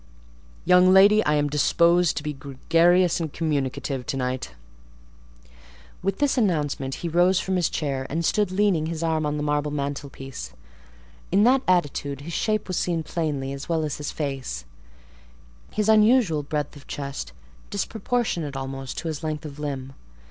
Young lady, I am disposed to be gregarious and communicative to night." With this announcement he rose from his chair, and stood, leaning his arm on the marble mantelpiece: in that attitude his shape was seen plainly as well as his face; his unusual breadth of chest, disproportionate almost to his length of limb.